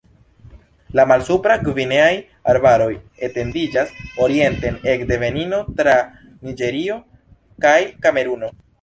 La malsupra-gvineaj arbaroj etendiĝas orienten ekde Benino tra Niĝerio kaj Kameruno.